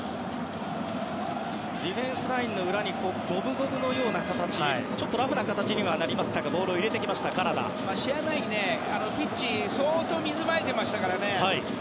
ディフェンスラインの裏に五分五分のような形ラフな形にはなりましたが試合前にピッチに相当水をまいていましたからね。